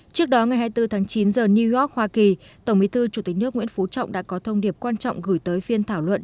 trước đó ngày hai mươi bốn tháng chín giờ new york hoa kỳ tổng bí thư chủ tịch nước nguyễn phú trọng đã có thông điệp quan trọng gửi tới phiên thảo luận